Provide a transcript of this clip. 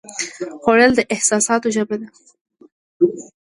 خوړل د احساساتو ژبه ده